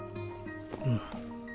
うん。